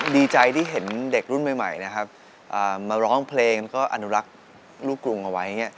ดีใจที่เห็นเด็กรุ่นใหม่นะครับมาร้องเพลงแล้วก็อนุรักษ์ลูกกรุงเอาไว้